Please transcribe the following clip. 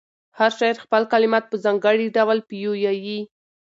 هر شاعر خپل کلمات په ځانګړي ډول پیوياي.